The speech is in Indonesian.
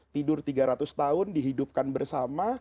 tidur tiga ratus tahun dihidupkan bersama